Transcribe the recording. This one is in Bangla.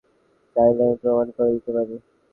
চাইলে আমি প্রমাণ করে দিতে পারি।